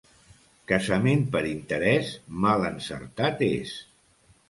Casament per interès mai encertat és.